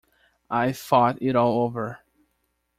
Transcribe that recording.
I’ve thought it all over.